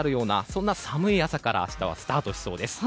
そんな寒い朝から明日はスタートしそうです。